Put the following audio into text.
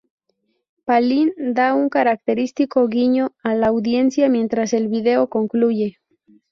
Palin da un característico guiño a la audiencia mientras el vídeo concluye.